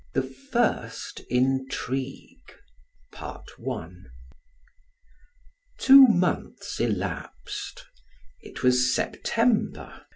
THE FIRST INTRIGUE Two months elapsed. It was September.